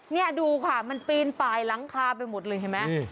นี่ดูค่ะมันปีนปลายหลังคาไปหมดเลยเห็นไหม